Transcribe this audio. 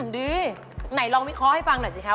ดีไหนลองวิเคราะห์ให้ฟังหน่อยสิคะ